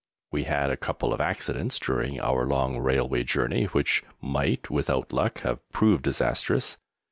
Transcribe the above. We had a couple of accidents during our long railway journey which might, without luck, have proved disastrous.